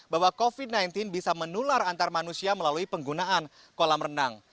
bahwa covid sembilan belas bisa menular antar manusia melalui penggunaan kolam renang